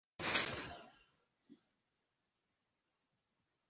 Actualmente funciona en el lugar un restaurante de comida china.